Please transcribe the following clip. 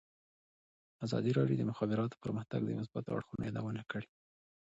ازادي راډیو د د مخابراتو پرمختګ د مثبتو اړخونو یادونه کړې.